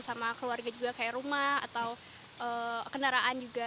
sama keluarga juga kayak rumah atau kendaraan juga